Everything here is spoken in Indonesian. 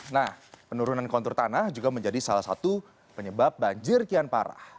nah penurunan kontur tanah juga menjadi salah satu penyebab banjir kian parah